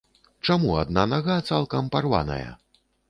Чаму адна нага цалкам парваная?